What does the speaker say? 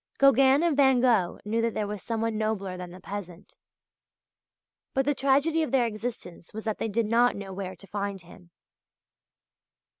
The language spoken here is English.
Gauguin and Van Gogh knew that there was someone nobler than the peasant. But the tragedy of their existence was that they did not know where to find him.